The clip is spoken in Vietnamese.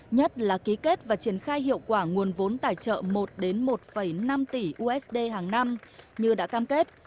nhất là ký kết và triển khai hiệu quả nguồn vốn tài trợ một đến một một năm tỷ usd hàng năm như đã cam kết